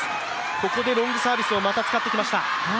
ここでロングサービスをまた使ってきました。